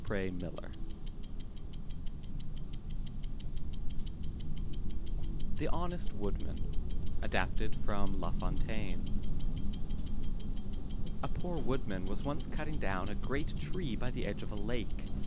77 MY BOOK HOUSE THE HONEST WOODMAN Adapted from La Fontaine A poor Woodman was once cutting down a great tree by the edge of a lake.